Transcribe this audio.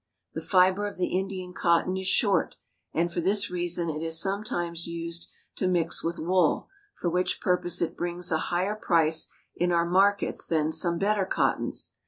The fiber of the Indian cotton is short, and for this reason it is sometimes used to mix with wool, for which purpose it brings a higher price in our markets than some better cottons.